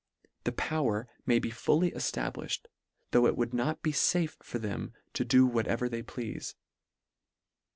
The power may be fully eftablifhed, though it would not be fafe for them to do whatever they pleafe.